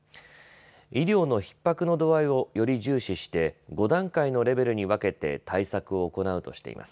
医療のひっ迫の度合いをより重視して、５段階のレベルに分けて対策を行うとしています。